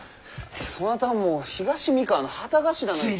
そなたはもう東三河の旗頭なんじゃ。